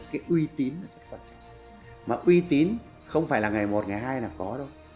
cái uy tín là rất quan trọng mà uy tín không phải là ngày một ngày hai là có đâu